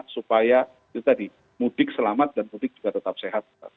supaya kita di mudik selamat dan mudik juga tetap sehat